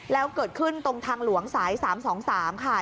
แล้วเกิดขึ้นตรงทางหลวงสาย๓๒๓ค่ะ